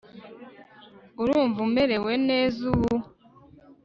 Urumva umerewe neza ubu